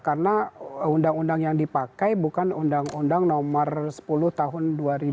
karena undang undang yang dipakai bukan undang undang nomor sepuluh tahun dua ribu